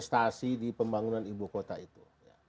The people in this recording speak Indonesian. investasi di pembangunan ibu kota itu